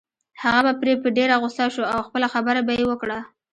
هغه به پرې په ډېره غصه شو او خپله خبره به يې وکړه.